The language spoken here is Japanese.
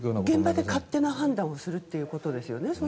現場で勝手な判断をするということですね。